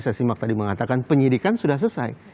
saya simak tadi mengatakan penyidikan sudah selesai